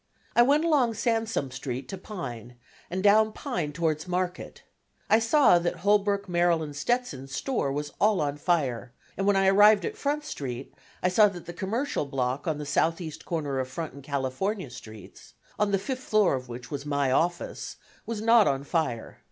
I went along Sansome Street to Pine and down Pine towards Market. I saw that Holbrook, Merrill & Stetson's store was all on fire, and when I arrived at Front Street I saw that the Commercial Block on the southeast corner of Front and California streets (on the fifth floor of which was my office), was not on fire.